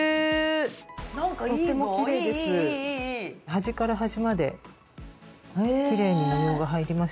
端から端まできれいに模様が入りました。